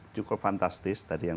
cukup fantastis tadi yang